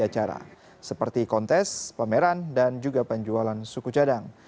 acara seperti kontes pameran dan juga penjualan suku cadang